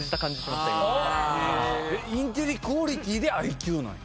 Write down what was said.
「インテリクオリティー」でＩＱなんや！